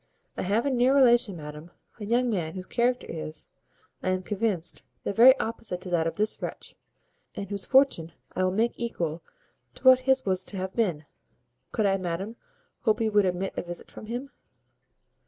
I have a near relation, madam, a young man whose character is, I am convinced, the very opposite to that of this wretch, and whose fortune I will make equal to what his was to have been. Could I, madam, hope you would admit a visit from him?"